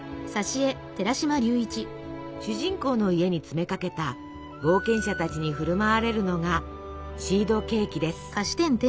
主人公の家に詰めかけた冒険者たちに振る舞われるのがシードケーキです。